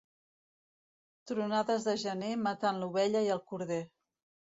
Tronades de gener maten l'ovella i el corder.